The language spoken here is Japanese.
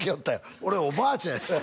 俺おばあちゃん